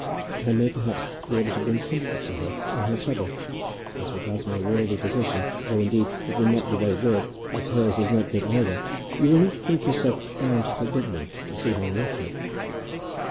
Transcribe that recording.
I may, perhaps, be able to bring comfort to her in her trouble. As regards my worldly position, though, indeed, it will not be very good, as hers is not good either, you will not think yourself bound to forbid me to see her on that head."